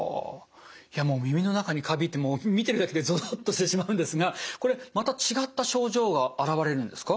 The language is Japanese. いや耳の中にカビって見てるだけでゾゾッとしてしまうんですがこれまた違った症状が現れるんですか？